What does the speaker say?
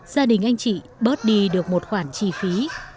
gia đình anh chị bớt đi được một khoản chi phí